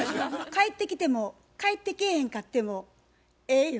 帰ってきても帰ってけえへんかってもええよ。